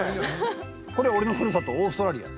これ俺のふるさとオーストラリア。